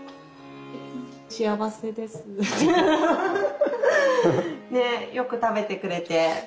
幸せです。ねよく食べてくれて。